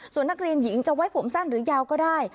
ส่วนนักเรียนหญิงจะไว้ผมสั้นหรือยาวก็ได้